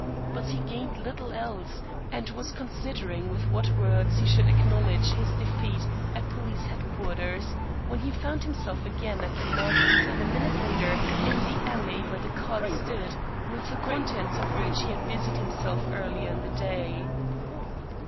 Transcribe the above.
But he gained little else, and was considering with what words he should acknowledge his defeat at police headquarters, when he found himself again at the markets and a minute later in the alley where the cart stood, with the contents of which he had busied himself earlier in the day.